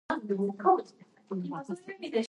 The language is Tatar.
Танавы гына тырпаеп калган.